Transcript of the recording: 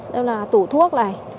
đây là tủ thuốc này